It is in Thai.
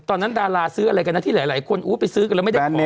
ดาราซื้ออะไรกันนะที่หลายคนไปซื้อกันแล้วไม่ได้ขอ